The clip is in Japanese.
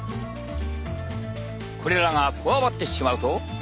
これらがこわばってしまうと。